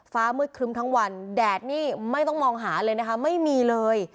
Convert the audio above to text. ฟ้ามืดครึ้มทั้งวันแดดนี่ไม่ต้องมองหาเลยนะคะไม่มีเลย